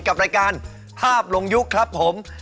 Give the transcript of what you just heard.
กับรายการภาพลงยุคครับผม